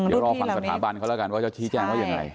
เดี๋ยวรอความสถาบันเขาแล้วกันว่าเจ้าชี้แจ้งว่าอย่างไร